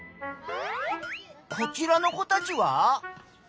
こちらの子たちは？